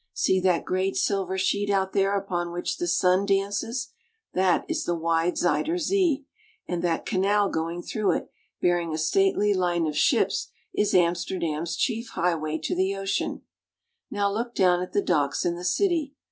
See that great silver sheet out there upon which the sun dances. That is the wide Zuider Zee (zoi'der za), and that canal going through it, bearing a stately line of ships, is Amster dam's chief highway to the ocean. Now look down at the docks in the city